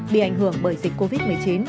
bị ảnh hưởng bởi dịch covid một mươi chín